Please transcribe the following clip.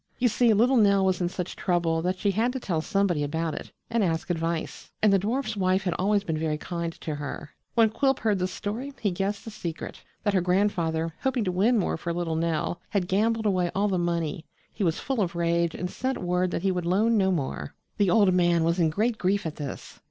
You see, little Nell was in such trouble that she had to tell somebody about it and ask advice, and the dwarf's wife had always been very kind to her. When Quilp heard the story he guessed the secret that her grandfather, hoping to win more for little Nell, had gambled away all the money. He was full of rage and sent word that he would loan no more. The old man was in great grief at this.